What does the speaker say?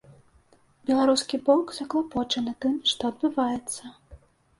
Беларускі бок заклапочаны тым, што адбываецца.